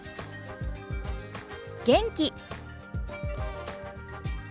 元気。